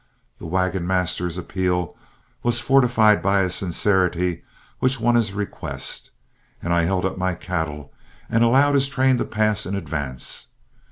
The wagon master's appeal was fortified by a sincerity which won his request, and I held up my cattle and allowed his train to pass in advance.